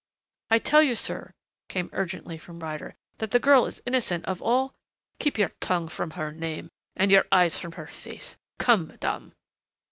"I tell you, sir," came urgently from Ryder, "that the girl is innocent of all " "Keep your tongue from her name and your eyes from her face!... Come, madame."